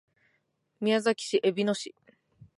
宮崎県えびの市